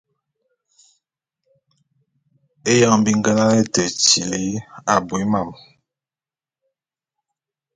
Éyoñg bi ngenane te tili abui mam...